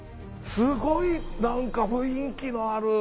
すごい何か雰囲気のある。